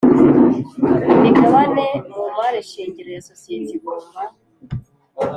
Imigabane mu mari shingiro ya sosiyete igomba